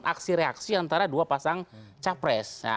aksi reaksi antara dua pasang capres